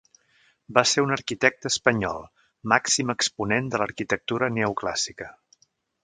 Va ser un arquitecte espanyol, màxim exponent de l'arquitectura neoclàssica.